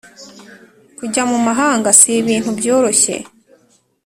kujya mumahanga si ibintu byoroshye